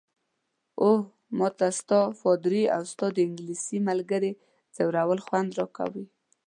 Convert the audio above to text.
اوه، ما ته ستا، پادري او ستا د انګلیسۍ ملګرې ځورول خوند راکوي.